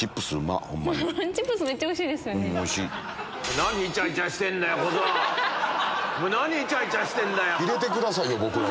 何イチャイチャしてんだよ！